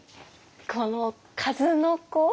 この「数の子」？